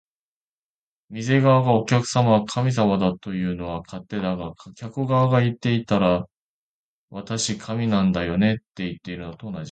店側が「お客様は神様だ」というのは勝手だが、客側が言っていたら「俺、神様なんだよね」っていってるのと同じ